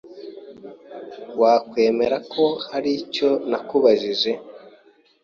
Wakwemera ko hari icyo nakubajije?